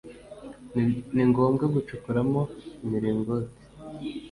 Ni ngombwa gucukuramo imiringoti